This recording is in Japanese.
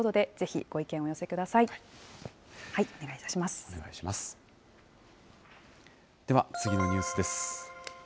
では、次のニュースです。